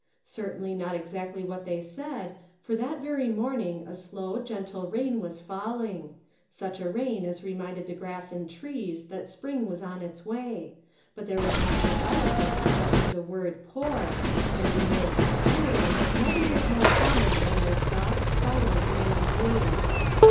Certainly not exactly what they said, for that very morning 1 a slow, gentle rain was falling; such a rain as reminded the grass and trees that spring was on its way ; but there was nothing about it that suggested the word " pour," and in Mag's experience nothing was more common than those soft, silent rainy days.